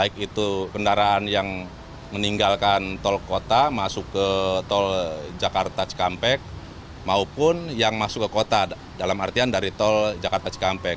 baik itu kendaraan yang meninggalkan tol kota masuk ke tol jakarta cikampek maupun yang masuk ke kota dalam artian dari tol jakarta cikampek